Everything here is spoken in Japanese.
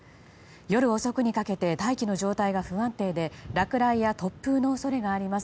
夜遅くにかけて大気の状態が不安定で落雷や突風の恐れがあります。